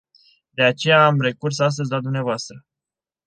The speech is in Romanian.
De aceea am recurs astăzi la dumneavoastră.